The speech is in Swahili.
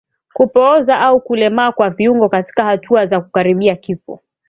Kupooza au kulemaa kwa viungo katika hatua za kukaribia kifo